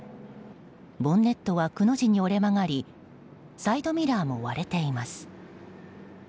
ボンネットはくの字に折れ曲がりサイドミラーも割れています。